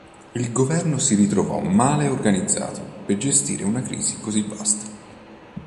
Il governo si ritrovò male organizzato per gestire una crisi così vasta.